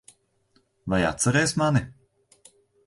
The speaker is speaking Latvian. Vai atceries mani?